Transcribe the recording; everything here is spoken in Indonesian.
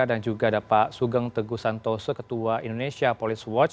dan juga ada pak sugeng teguh santose ketua indonesia police watch